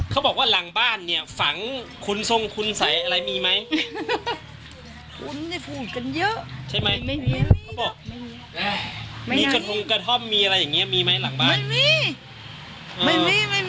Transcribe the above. เขาบอกว่าหลังบ้านเนี่ยฝังคุณทรงคุณใสอะไรมีไหม